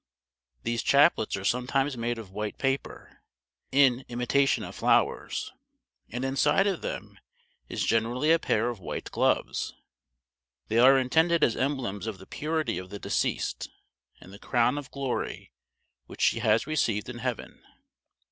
These chaplets are sometimes made of white paper, in imitation of flowers, and inside of them is generally a pair of white gloves. They are intended as emblems of the purity of the deceased, and the crown of glory which she has received in heaven.